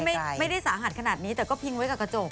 ไม่ได้สาหัสขนาดนี้แต่ก็พิงไว้กับกระจก